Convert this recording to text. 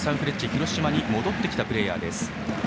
広島に戻ってきたプレーヤーです。